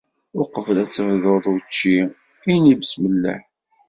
Uqbel ad tebduḍ učči, ini Besmelleh